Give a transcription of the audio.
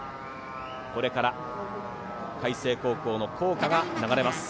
これから海星高校の校歌が流れます。